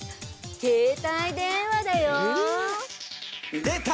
携帯電話だよ。出た！